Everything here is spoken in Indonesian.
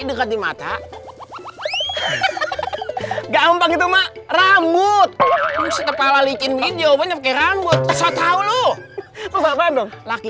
dekat di mata gak mau gitu mak rambut kepala licin video banyak ke rambut soal lu laki laki